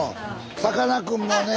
さかなクンもね。